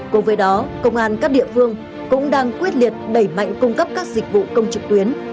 cùng với đó công an các địa phương cũng đang quyết liệt đẩy mạnh cung cấp các dịch vụ công trực tuyến